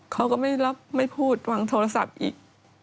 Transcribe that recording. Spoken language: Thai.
เขาก็ไม่รับไม่พูดวางโทรศัพท์อีก